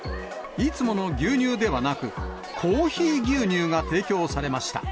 いつもの牛乳ではなく、コーヒー牛乳が提供されました。